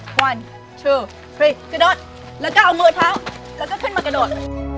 วันชื่อฟรีกระโดดแล้วก็เอามือเท้าแล้วก็ขึ้นมากระโดด